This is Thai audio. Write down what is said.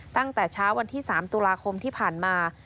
ตั้งแต่เช้าวันที่๓ตุลาคมที่ผ่านมา